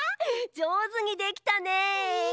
じょうずにできたね！